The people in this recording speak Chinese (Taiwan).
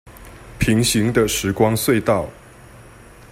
平行的時光隧道